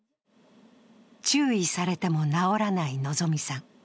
注意されても直らない希さん。